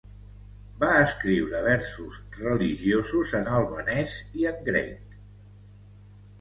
Va escriure versos religiosos en albanès i en grec.